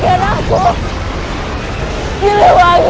jemput anak doting